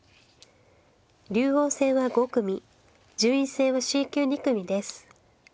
竜王戦は５組順位戦はＣ級２組です。